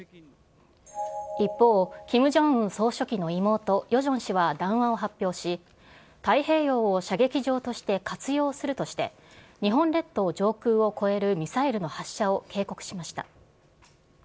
一方、キム・ジョンウン総書記の妹、ヨジョン氏は談話を発表し、太平洋を射撃場として活用するとして、日本列島上空を越えるミサイルの発射を警告しました。